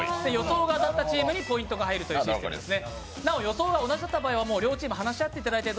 どちらかのチームにポイントが入るというシステムです。